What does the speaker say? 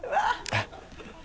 えっ？